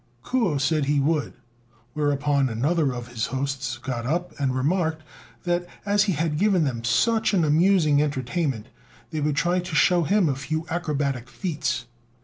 Kuo said he would, whereupon another of his hosts got up and remarked that, as he had given them such an amusing entertainment, they would try to shew him a few acrobatic feats.